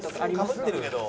かぶってるけど。